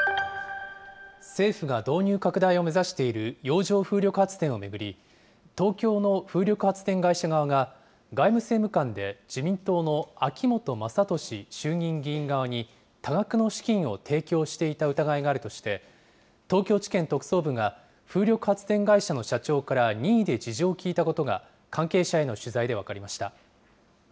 政府が導入拡大を目指している洋上風力発電を巡り、東京の風力発電会社側が、外務政務官で自民党の秋本真利衆議院議員側に、多額の資金を提供していた疑いがあるとして、東京地検特捜部が風力発電会社の社長から任意で事情を聴いたことが、関係者への取材で分かりました。